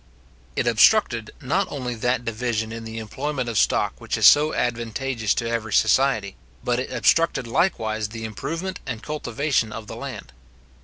It obstructed not only that division in the employment of stock which is so advantageous to every society, but it obstructed likewise the improvement and cultivation of the land.